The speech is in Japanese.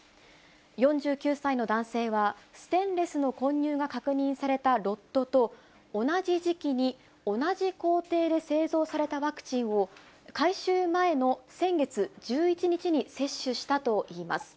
４９歳の男性は、ステンレスの混入が確認されたロットと同じ時期に同じ工程で製造されたワクチンを、回収前の先月１１日に接種したといいます。